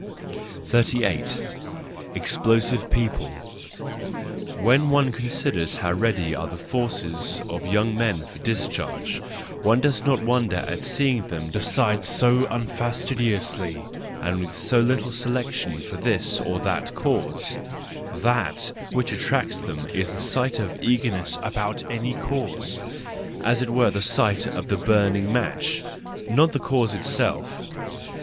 38 . Explosive People .—When one considers how ready are the forces of young men for discharge, one does not wonder at seeing them decide so unfastidiously and with so little selection for this or that cause: that which attracts them is the sight of eagerness about any cause, as it were the sight of the burning match—not the cause itself.